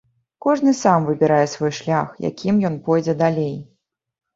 Кожны сам выбірае свой шлях, якім ён пойдзе далей.